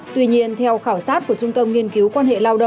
tuy nhiên theo khảo sát của trung tâm nghiên cứu quan hệ